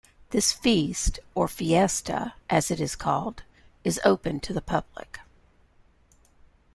This feast, or "fiesta", as it is called, is open to the public.